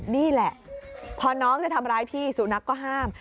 นี่แหละพอน้องจะทำร้ายพี่สุนัขก็ห้าม